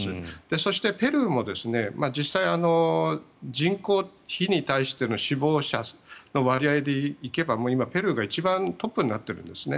そしてペルーも実際、人口比に対しての死亡者の割合でいけばもう今、ペルーが一番トップになっているんですね。